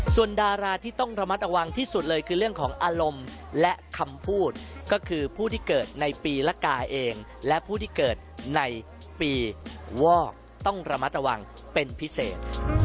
ส่วนดาราที่ต้องระมัดระวังที่สุดเลยคือเรื่องของอารมณ์และคำพูดก็คือผู้ที่เกิดในปีละกาเองและผู้ที่เกิดในปีวอกต้องระมัดระวังเป็นพิเศษ